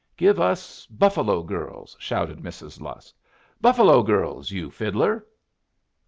"Give us 'Buffalo Girls!'" shouted Mrs. Lusk.... "'Buffalo Girls,' you fiddler!"